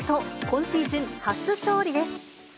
今シーズン初勝利です。